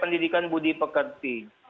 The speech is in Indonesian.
pendidikan budi pekerti